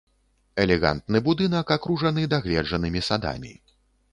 Элегантны будынак акружаны дагледжанымі садамі.